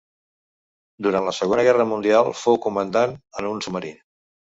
Durant la Segona Guerra Mundial fou comandant en un submarí.